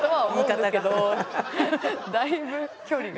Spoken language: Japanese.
だいぶ距離が。